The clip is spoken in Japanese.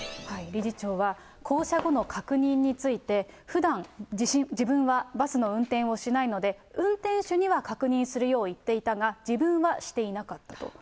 理事長は、降車後の確認について、ふだん自分はバスの運転をしないので、運転手には確認するよう言っていたが、自分はしていなかったと。